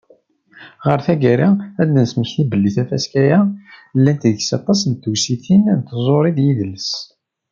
Ɣer taggara, ad d-nesmekti belli tafaska-a, llant deg-s aṭas n tewsatin n tẓuri d yidles.